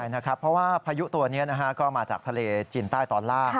เพราะว่าพายุตัวนี้ก็มาจากทะเลจีนใต้ตอนล่าง